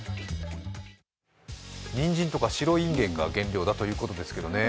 にんじんとか白インゲンが原料だということですね。